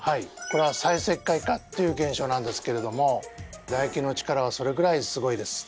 これは再石灰化っていう現象なんですけれどもだ液の力はそれぐらいすごいです。